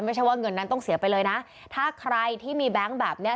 ไม่ใช่ว่าเงินนั้นต้องเสียไปเลยนะถ้าใครที่มีแบงค์แบบเนี้ย